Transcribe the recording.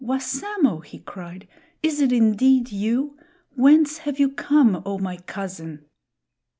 Wassamo!" he cried, "is it indeed you? Whence have you come, oh, my cousin?"